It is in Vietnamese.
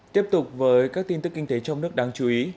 tiếp tục với các tin tức kinh tế trong nước đáng chú ý